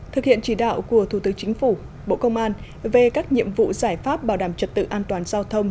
thực hiện chỉ đạo của thủ tướng chính phủ bộ công an về các nhiệm vụ giải pháp bảo đảm trật tự an toàn giao thông